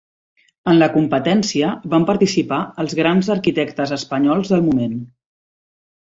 En la competència van participar els grans arquitectes espanyols del moment.